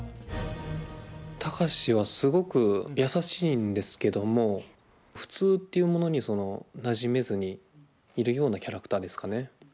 貴司はすごく優しいんですけども普通っていうものになじめずにいるようなキャラクターですかね。